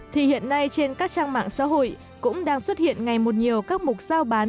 thì hiện nay trên các trang mạng xã hội cũng đang xuất hiện ngày một nhiều các mục giao bán